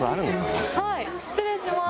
はい失礼しまーす。